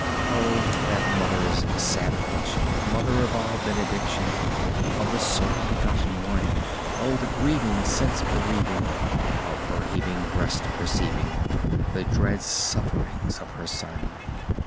O, that Mother's sad affliction Mother of all benediction Of the sole begotten One; Oh, the grieving, sense bereaving, Of her heaving breast, perceiving The dread sufferings of her Son.